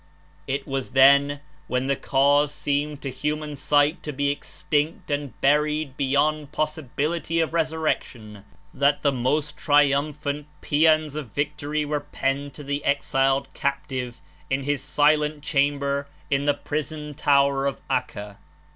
It was then, when the Cause seemed to human sight to be extinct and buried beyond pos sibility of resurrection, that the most triumphant pasans of victory were penned by the exiled captive In his silent chamber In the prison tower of Acca.